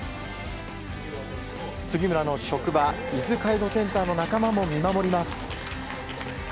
杉村の職場、伊豆介護センターの仲間も見守ります。